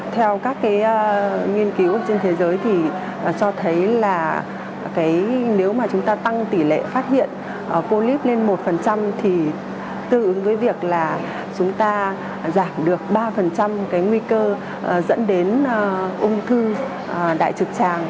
theo các nghiên cứu trên thế giới thì cho thấy là nếu mà chúng ta tăng tỷ lệ phát hiện polyp lên một thì tự ứng với việc là chúng ta giảm được ba cái nguy cơ dẫn đến ung thư đại trực tràng